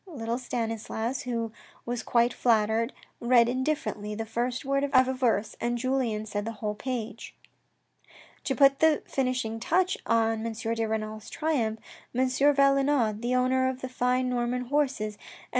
Little Stanislas, who was quite flattered, read indifferently the first word of a verse, and Julien said the whole page. To put the finishing touch on M. de Renal's triumph, M. Valenod, the owner of the fine Norman horses, and M.